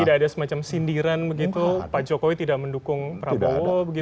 tidak ada semacam sindiran begitu pak jokowi tidak mendukung prabowo